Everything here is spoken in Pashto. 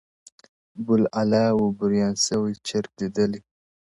بوالعلا وو بریان سوی چرګ لیدلی -